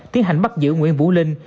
tiến hành bắt giữ nguyễn vũ linh